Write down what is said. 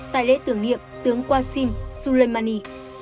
tại lễ tưởng niệm tướng qasim soleimani